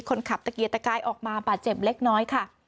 คนขับตะเกียตะกายออกมาปะเจ็บเล็กน้อยค่ะ